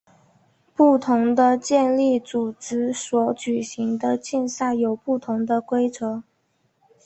不同的健力组织所举行的竞赛有不同的规则。